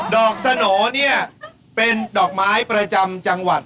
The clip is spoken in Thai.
สโหน่เนี่ยเป็นดอกไม้ประจำจังหวัด